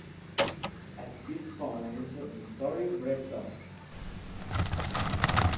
At this point the story breaks off.